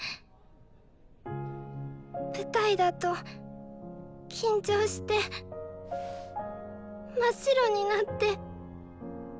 舞台だと緊張して真っ白になって。